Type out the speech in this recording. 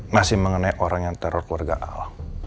masih mengenai teror keluarga al